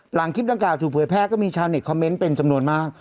หลังคลิปดังกล่าถูกเผยแพร่ก็มีชาวเน็ตคอมเมนต์เป็นจำนวนมาก